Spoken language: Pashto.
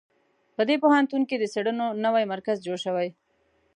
په دې پوهنتون کې د څېړنو نوی مرکز جوړ شوی